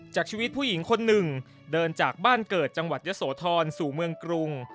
จากชีวิตผู้หญิงคนหนึ่งเดินจากบ้านเกิดจังหวัดยะโสธรสู่เมืองกรุง